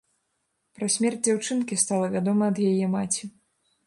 Пра смерць дзяўчынкі стала вядома ад яе маці.